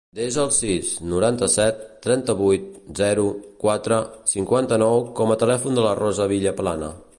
Desa el sis, noranta-set, trenta-vuit, zero, quatre, cinquanta-nou com a telèfon de la Rosa Villaplana.